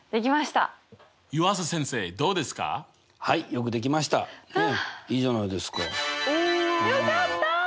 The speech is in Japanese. よかった。